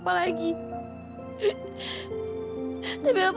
tapi carryits ini pasti terjadi